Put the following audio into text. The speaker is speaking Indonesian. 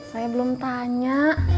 saya belum tanya